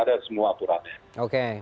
dan wu bumenang pemerintah provinsi kaupaka